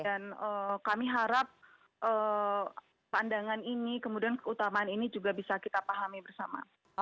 dan kami harap pandangan ini kemudian keutamaan ini juga bisa kita pahami bersama